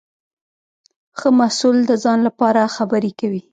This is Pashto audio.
ښه محصول د ځان لپاره خبرې کوي.